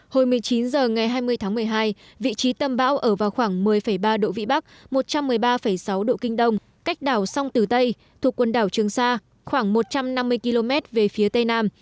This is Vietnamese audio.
hồi một mươi chín h ngày hai mươi tháng một mươi hai vị trí tâm bão ở vào khoảng một mươi ba độ vĩ bắc một trăm một mươi ba sáu độ kinh đông cách đảo sông tử tây thuộc quần đảo trường sa khoảng một trăm năm mươi km về phía tây nam